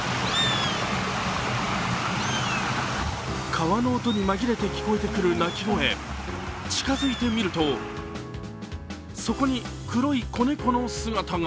川の音に紛れて聞こえてくる鳴き声近づいてみるとそこに黒い子猫の姿が。